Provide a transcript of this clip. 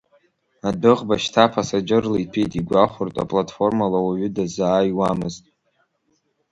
Адәыӷба шьҭа пасаџьырла иҭәит игәахәыртә, аплатформала уаҩы дазааиуамызт.